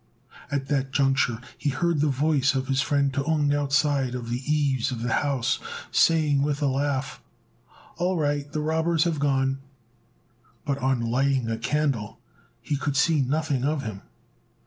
At that juncture he heard the voice of his friend T'ung, outside on the eaves of the house, saying, with a laugh, "All right; the robbers have gone;" but on lighting a candle, he could see nothing of him.